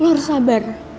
lo harus sabar